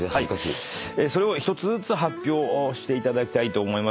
それを１つずつ発表していただきたいと思います。